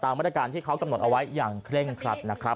มาตรการที่เขากำหนดเอาไว้อย่างเคร่งครัดนะครับ